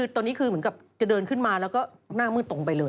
ตอนนี้คือเหมือนกับจะเดินขึ้นมาแล้วก็หน้ามืดตรงไปเลย